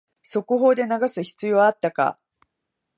速報で流す必要あったか